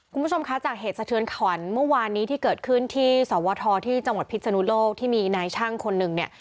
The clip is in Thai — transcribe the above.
คุณผู้ชมคะจากเหตุสะเทือนขวัญเมื่อวานนี้ที่เกิดขึ้นที่สวทที่จังหวัดพิษนุโลกที่มีนายช่างคนหนึ่งเนี่ย